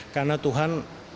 karena tuhan memang bersyukur